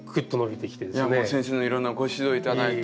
いやもう先生のいろんなご指導頂いて。